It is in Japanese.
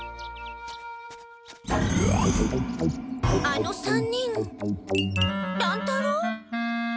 あの３人乱太郎！